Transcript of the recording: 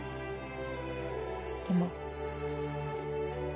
でも。